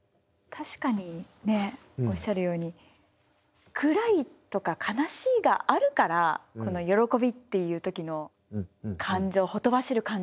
確かにおっしゃるように暗いとか悲しいがあるからこの喜びっていう時の感情ほとばしる